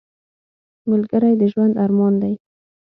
ملګری د ژوند ارمان دی